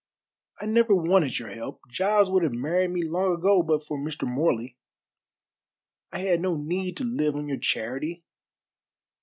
"I never wanted your help. Giles would have married me long ago but for Mr. Morley. I had no need to live on your charity.